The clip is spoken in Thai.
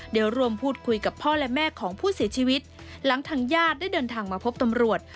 เดี๋ยวรวมพูดคุยกับพ่อและแม่ของผู้เสียชีวิตหลังทางญาติได้เดินทางมาพบตำรวจ